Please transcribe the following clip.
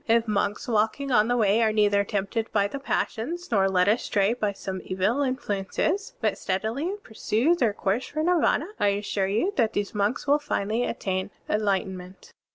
If monks walking on the Way are neither tempted by the passions, nor led astray by some evil influences, but steadily pursue their course for Nirvana, I assure you that these monks will finally attain enlightenment.